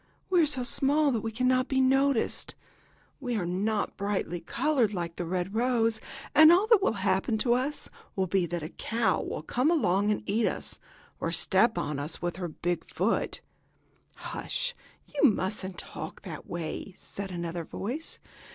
We are so small that we cannot be noticed. We are not brightly colored, like the red rose, and all that will happen to us will be that a cow will come along and eat us, or step on us with her big foot." "Hush! You musn't talk that way," said another voice.